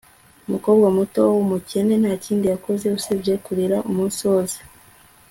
umukobwa muto wumukene ntakindi yakoze usibye kurira umunsi wose